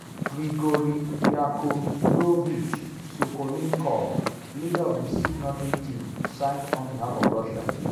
Grigori Yakovlovich Sokolnikov, leader of the signatory team, signed on behalf of Russia.